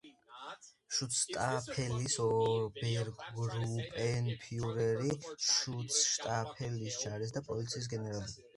შუცშტაფელის ობერგრუპენფიურერი, შუცშტაფელის ჯარის და პოლიციის გენერალი.